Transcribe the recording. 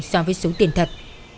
so với số tiền thật